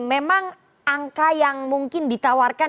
memang angka yang mungkin ditawarkan